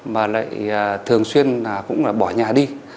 mà lại thường xuyên cũng bỏ nhà đi